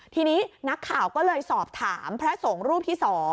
ทีนี้นักข่าวก็เลยสอบถามพระสงฆ์รูปที่๒